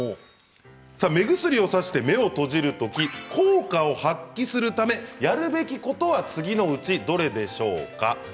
目薬をさして目を閉じるとき効果を発揮するためやるべきことは次のうちどれでしょうか。